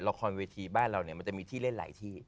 ละครเวทีบ้านเราเนี่ยมันจะมีที่เล่นหลายที่